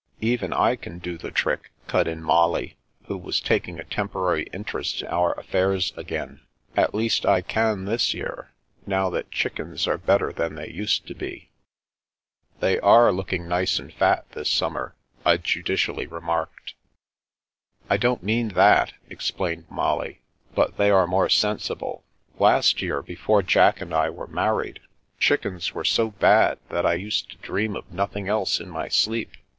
Even I can do the trick," cut in Molly, who was taking a temporary interest in our affairs again. ''At least, I can this year, now that chickens are better than they used to be." " They are looking nice and fat this simuner " I judicially remarked The World without the Boy 335 " I don't mean that," explained Molly. " But they are more sensible. Last year, before Jack and I were married, chickens were so bad that I used to dream of nothing else in my sleep.